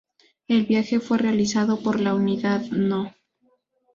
El viaje fue realizado por la unidad No.